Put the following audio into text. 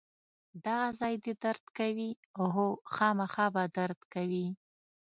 دغه ځای دې درد کوي؟ هو، خامخا به درد کوي.